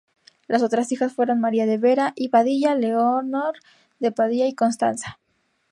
Las otras hijas fueron María de Vera y Padilla, Leonor de Padilla y Constanza.